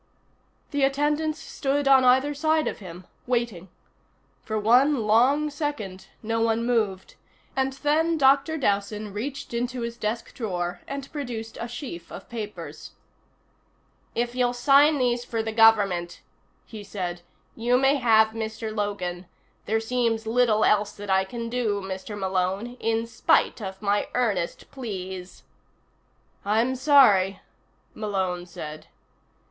The attendants stood on either side of him, waiting. For one long second no one moved, and then Dr. Dowson reached into his desk drawer and produced a sheaf of papers. "If you'll sign these for the government," he said, "you may have Mr. Logan. There seems little else that I can do, Mr. Malone in spite of my earnest pleas " "I'm sorry," Malone said.